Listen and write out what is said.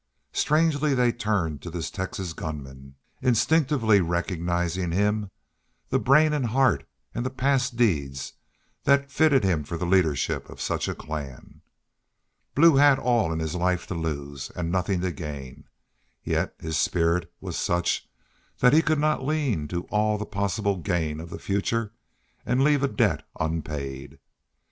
Strangely they turned to this Texas gunman, instinctively recognizing in him the brain and heart, and the past deeds, that fitted him for the leadership of such a clan. Blue had all in life to lose, and nothing to gain. Yet his spirit was such that he could not lean to all the possible gain of the future, and leave a debt unpaid.